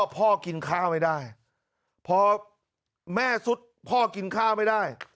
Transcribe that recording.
พ่อกินข้าวไม่ได้พอแม่สุดพ่อกินข้าวไม่ได้